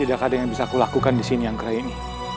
tidak ada yang bisa kulakukan disini anggraini